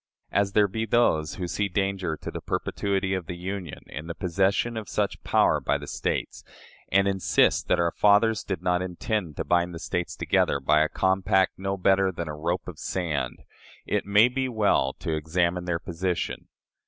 As there be those who see danger to the perpetuity of the Union in the possession of such power by the States, and insist that our fathers did not intend to bind the States together by a compact no better than "a rope of sand," it may be well to examine their position.